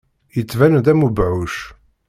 Yettban-d am ubeɛɛuc.